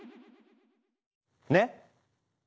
ねっ！